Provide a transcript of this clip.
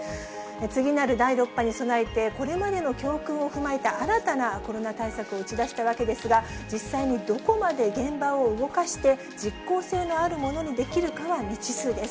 次なる第６波に備えて、これまでの教訓を踏まえた新たなコロナ対策を打ち出したわけですが、実際にどこまで現場を動かして、実効性のあるものにできるかは未知数です。